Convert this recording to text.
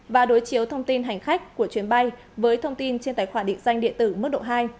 và đối chiếu thông tin hành khách của chuyến bay với thông tin trên tài khoản định danh điện tử mức độ hai